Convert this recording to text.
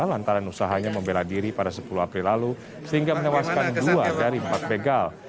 lantaran usahanya membela diri pada sepuluh april lalu sehingga menewaskan dua dari empat begal